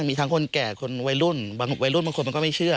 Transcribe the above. มีทั้งคนแก่คนวัยรุ่นบางวัยรุ่นบางคนมันก็ไม่เชื่อ